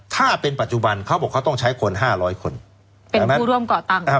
ถ้าเป็นปัจจุบันเขาบอกเขาต้องใช้คน๕๐๐คนเป็นผู้ร่วมก่อตั้ง